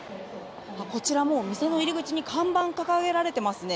こちらもう、店の入り口に看板が掲げられていますね。